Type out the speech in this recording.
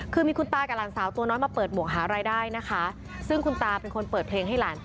คือมีคุณตากับหลานสาวตัวน้อยมาเปิดหมวกหารายได้นะคะซึ่งคุณตาเป็นคนเปิดเพลงให้หลาน